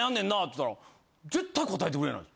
つったら絶対答えてくれない。